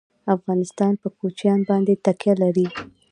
افغانستان په کوچیان باندې تکیه لري.